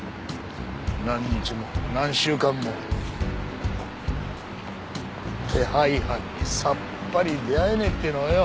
何日も何週間も手配犯にさっぱり出会えねえっていうのはよ。